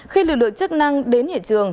khi lực lượng chức năng đến hệ trường